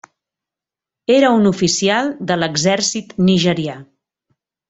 Era un oficial de l'exèrcit nigerià.